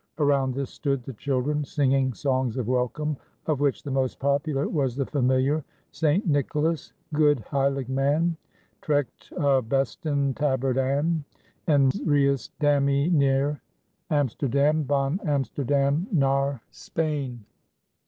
Around this stood the children singing songs of welcome, of which the most popular was the familiar Saint Nicholaes, goed heilig man, Trekt uw'besten tabbard aan, En reist daamee naar Amsterdam, Von Amsterdam naar Spanje.